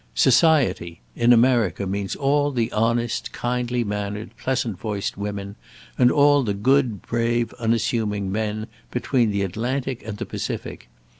'Society' in America means all the honest, kindly mannered, pleasant voiced women, and all the good, brave, unassuming men, between the Atlantic and the Pacific.